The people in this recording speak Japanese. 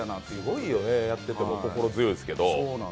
すごいよね、やってても心強いですけど。